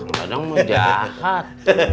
kang dadang mah jahat